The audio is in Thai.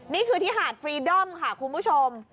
นี่คือที่หาดฟรีดอมค่ะคุณผู้ชม